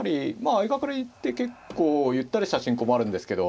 相掛かりって結構ゆったりした進行もあるんですけど。